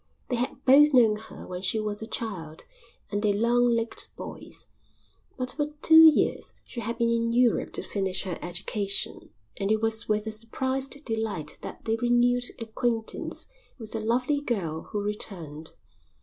They had both known her when she was a child and they long legged boys, but for two years she had been in Europe to finish her education and it was with a surprised delight that they renewed acquaintance with the lovely girl who returned.